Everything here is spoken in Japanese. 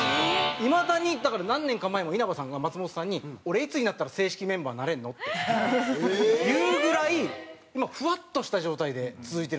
いまだにだから何年か前も稲葉さんが松本さんに「俺いつになったら正式メンバーになれるの？」って言うぐらいふわっとした状態で続いてるんです。